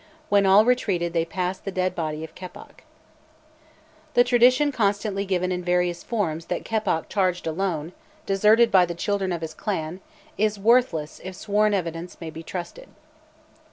When all retreated they passed the dead body of Keppoch. The tradition constantly given in various forms that Keppoch charged alone, "deserted by the children of his clan," is worthless if sworn evidence may be trusted.